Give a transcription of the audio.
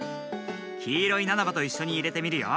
きいろいナナバといっしょにいれてみるよ。